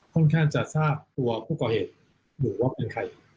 คนแข้นจัดทราบตัวผู้ก่อเหตุหรือว่าเป็นใคร